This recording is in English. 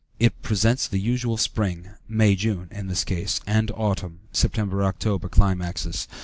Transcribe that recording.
It presents the usual spring (May June, in this case) and autumn (September October) climaxes.